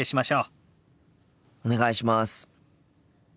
お願いします。